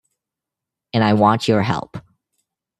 And I want your help.